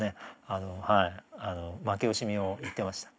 あのはいあの負け惜しみを言ってました。